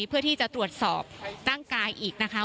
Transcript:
เพื่อที่จะตรวจสอบร่างกายอีกนะคะ